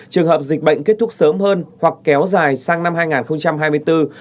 trường hợp dịch bệnh kết thúc sớm hơn hoặc kéo dài sang năm hai nghìn hai mươi bốn